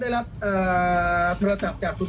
ทำหลุมความจริง